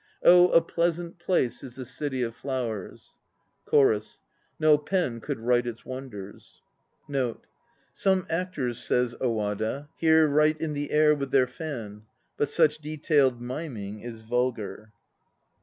Oh, a pleasant place is the City of Flowers; CHORUS. No pen could write its wonders. 1 1 Some actors, says Owada, here write in the air with their fan; but such detailed miming is vulgar.